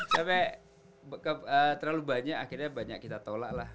sampai terlalu banyak akhirnya banyak kita tolak lah